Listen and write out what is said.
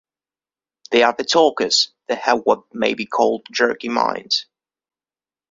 They are the talkers that have what may be called jerky minds.